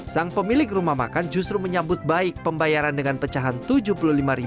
sang pemilik rumah makan justru menyambut baik pembayaran dengan pecahan rp tujuh puluh lima